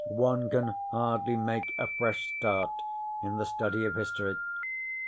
one can hardly make a fresh start in the study of history.